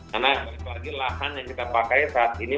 karena lagi lagi lahan yang kita pakai saat ini